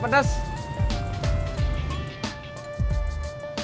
jangan dikasih pedes